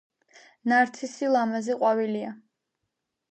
ნარცისი ლამაზი ყვავილია